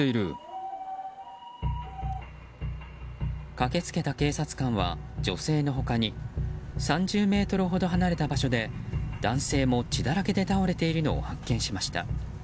駆けつけた警察官は女性の他に３０ｍほど離れた場所で男性も血だらけで倒れているのを発見しました。